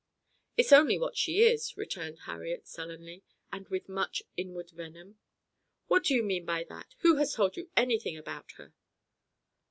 "It's only what she is," returned Harriet sullenly, and with much inward venom. "What do you mean by that? Who has told you anything about her?"